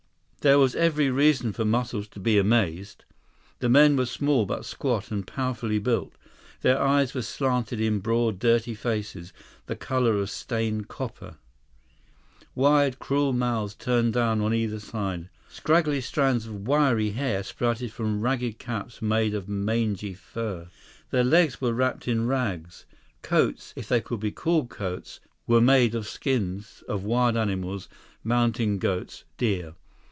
There was every reason for Muscles to be amazed. The men were small but squat and powerfully built. Their eyes were slanted in broad, dirty faces, the color of stained copper. Wide, cruel mouths turned down on either side. Scraggly strands of wiry hair sprouted from ragged caps made of mangy fur. 121 Their legs were wrapped in rags. Coats, if they could be called coats, were made of skins of wild animals, mountain goats, deer.